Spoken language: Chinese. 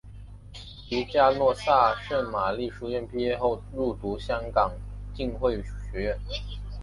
于嘉诺撒圣玛利书院毕业后入读香港浸会学院。